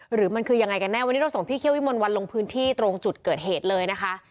หรือมันคือยังไงกันแน่วันนี้เราส่งพี่เคี่ยววิมลวันลงพื้นที่ตรงจุดเกิดเหตุเลยนะคะ